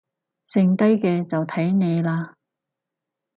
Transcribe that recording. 剩低嘅就睇你喇